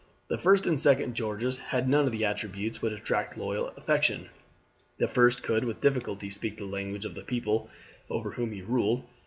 The first and second Georges had none of the attributes which attract loyal affection. The first could with difficulty speak the language of the people over whom he ruled.